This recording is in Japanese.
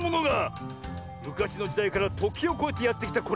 むかしのじだいからときをこえてやってきたこれ。